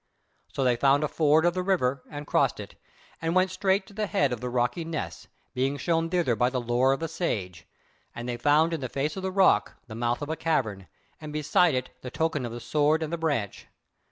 So they found a ford of the river and crossed it, and went straight to the head of the rocky ness, being shown thither by the lore of the Sage, and they found in the face of the rock the mouth of a cavern, and beside it the token of the sword and the branch.